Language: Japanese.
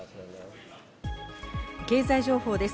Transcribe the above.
経済情報です。